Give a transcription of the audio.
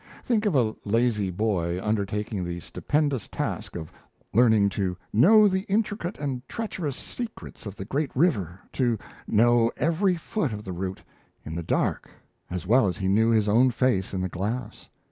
Think of a lazy boy undertaking the stupendous task of learning to know the intricate and treacherous secrets of the great river, to know every foot of the route in the dark as well as he knew his own face in the glass!